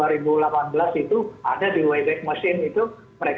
jadi mungkin kita perlu jujur lah kepada diri diri sesudah jujur baru kita perbaiki